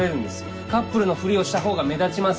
カップルのふりをしたほうが目立ちません。